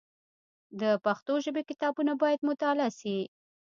د پښتو ژبي کتابونه باید مطالعه سي.